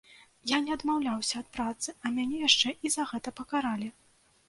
Я не адмаўляўся ад працы, а мяне яшчэ і за гэта пакаралі.